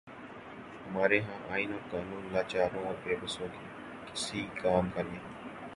ہمارے ہاں آئین اور قانون لاچاروں اور بے بسوں کے کسی کام کے نہیں۔